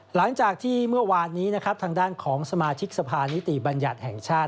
หลังจากที่เมื่อวานนี้นะครับทางด้านของสมาชิกสภานิติบัญญัติแห่งชาติ